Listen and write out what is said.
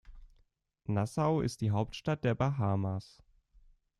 Nassau ist die Hauptstadt der Bahamas.